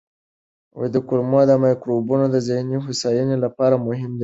کولمو مایکروبیوم د ذهني هوساینې لپاره مهم دی.